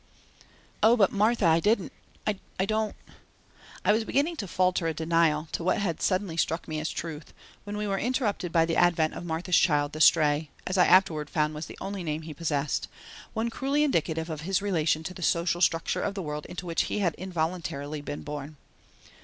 "Oh, but, Martha, I didn't I don't " I was beginning to falter a denial to what had suddenly struck me as a truth when we were interrupted by the advent of Martha's child, the Stray, as I afterwards found was the only name he possessed, one cruelly indicative of his relation to the social structure of the world into which he had involuntarily been born.